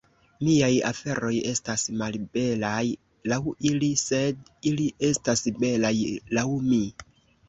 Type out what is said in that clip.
"Miaj aferoj estas malbelaj laŭ ili, sed ili estas belaj laŭ mi."